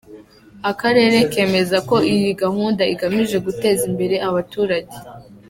Akarere kemeza ko iyi gahunda igamije guteza imbere abaturage .